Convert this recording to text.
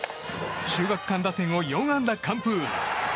秀岳館打線を４安打完封。